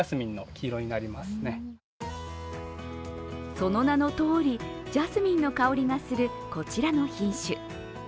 その名のとおり、ジャスミンの香りがするこちらの品種。